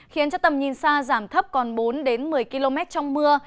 khiến cho tầm nhìn xa giảm thấp còn bốn một mươi km trong mưa